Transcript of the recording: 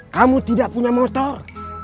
kamu tidak punya motor